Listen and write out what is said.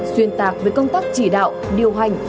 xuyên tạc về công tác chỉ đạo điều hành